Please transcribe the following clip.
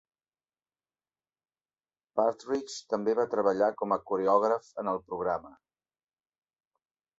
Partridge també va treballar com a coreògraf en el programa.